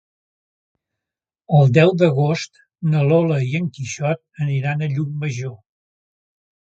El deu d'agost na Lola i en Quixot aniran a Llucmajor.